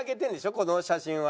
この写真は。